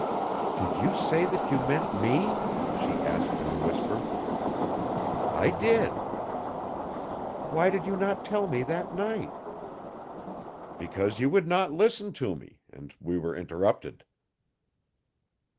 'Did you say that you meant me?' she asked in a whisper. 'I did.' 'Why did you not tell me that night? 'Because you would not listen to me and we were interrupted.